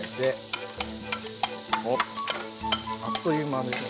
あっという間に。